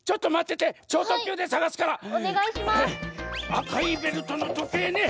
あかいベルトのとけいね！